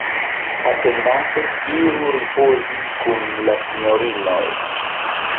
Atendante, iru ripozi kun la sinjorinoj.